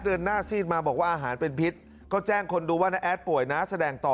เดือนหน้าซีดมาบอกว่าอาหารเป็นพิษก็แจ้งคนดูว่าน้าแอดป่วยนะแสดงต่อ